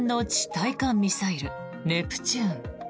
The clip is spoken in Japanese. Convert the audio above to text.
対艦ミサイルネプチューン。